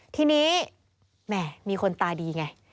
ทีนี้แหมมีคนตาดีไง